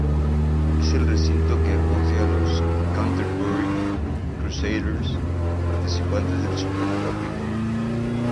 Es el recinto que acoge a los Canterbury Crusaders, participantes del Super Rugby.